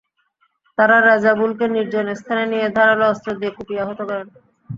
তাঁরা রেজাবুলকে নির্জন স্থানে নিয়ে ধারালো অস্ত্র দিয়ে কুপিয়ে আহত করেন।